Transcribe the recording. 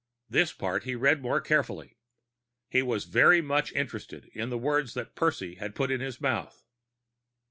This part he read more carefully. He was very much interested in the words that Percy had placed in his mouth.